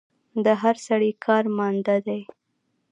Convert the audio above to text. د هر سړي کار ماندۀ دی